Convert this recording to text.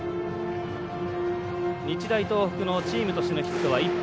日大東北のチームとしてのヒットは１本。